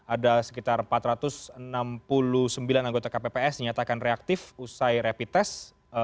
ada sekitar empat ratus enam puluh sembilan anggota kpps dinyatakan reaktif usai rapid test